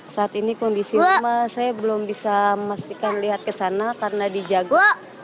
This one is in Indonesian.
saat ini kondisi rumah saya belum bisa memastikan lihat ke sana karena dijaga